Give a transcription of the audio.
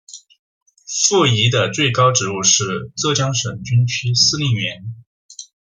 傅怡的最高职务是浙江省军区司令员。